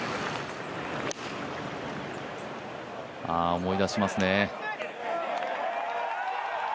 ああ、思い出しますね。